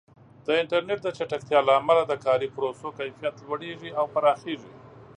د انټرنیټ د چټکتیا له امله د کاري پروسو کیفیت لوړېږي او پراخېږي.